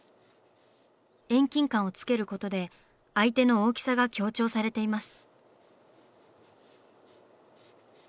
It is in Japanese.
遠近感をつけることで相手の大きさが強調されています。